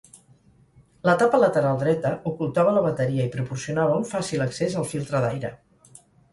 La tapa lateral dreta ocultava la bateria i proporcionava un fàcil accés al filtre d'aire.